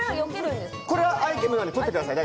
これはアイテムなので取ってください。